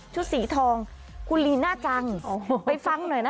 สีทองคุณลีน่าจังไปฟังหน่อยนะ